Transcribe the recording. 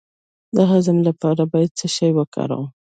د هضم لپاره باید څه شی وکاروم؟